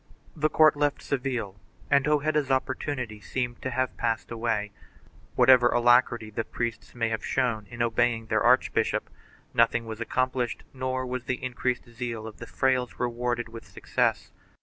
The court left Seville and Hojeda's opportunity seemed to have passed away. Whatever alacrity the priests may have shown in obeying their archbishop, nothing was accomplished nor was the increased zeal of the frailes rewarded with success.